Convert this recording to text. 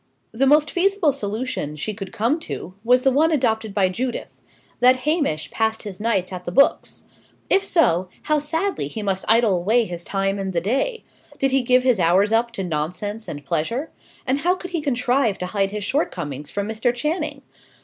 The most feasible solution she could come to, was the one adopted by Judith that Hamish passed his nights at the books. If so, how sadly he must idle away his time in the day! Did he give his hours up to nonsense and pleasure? And how could he contrive to hide his shortcomings from Mr. Channing?